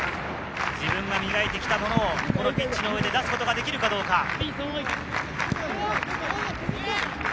自分が磨いてきたものをこのピッチの上で出すことができるかどうか。